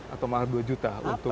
atau mahal dua juta